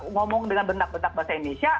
ngomong dengan bentak bentak bahasa indonesia